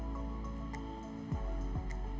kacang tolo dan tahu